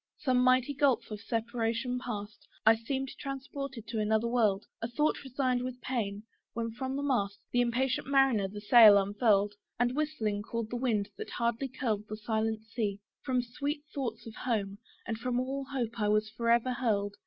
Some mighty gulph of separation past, I seemed transported to another world: A thought resigned with pain, when from the mast The impatient mariner the sail unfurl'd, And whistling, called the wind that hardly curled The silent sea. From the sweet thoughts of home, And from all hope I was forever hurled.